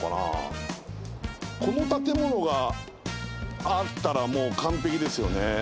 この建物があったらもう完璧ですよね。